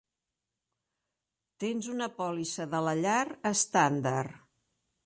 Tens una pòlissa de la llar estàndard.